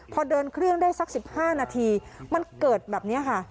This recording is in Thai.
พอเดินเครื่องได้สัก๑๕นาทีมันเกิดแบบนี้ค่ะ